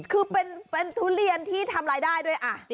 คือเป็นทุเรียนที่ทำรายได้ด้วย